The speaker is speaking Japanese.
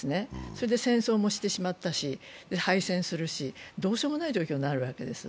それで戦争もしてしまったし敗戦するしどうしようもない状況になるわけです。